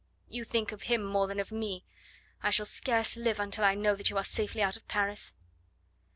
"You think of him more than of me. I shall scarce live until I know that you are safely out of Paris."